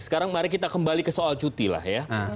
sekarang mari kita kembali ke soal cuti lah ya